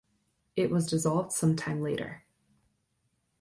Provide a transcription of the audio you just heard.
It was dissolved some time later.